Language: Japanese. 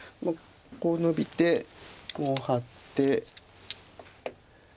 こうノビてこうハッて。